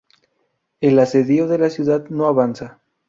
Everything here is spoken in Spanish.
El asedio de la ciudad no avanza.